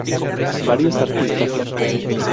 Varios Artistas